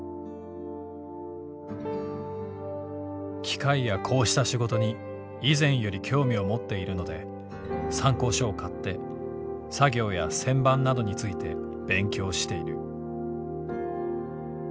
「機械やこうした仕事に以前より興味を持って居るので参考書を買って作業や旋盤等に付いて勉強して居る」。